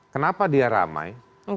kenapa dia ramai